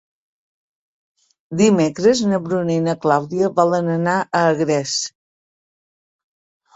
Dimecres na Bruna i na Clàudia volen anar a Agres.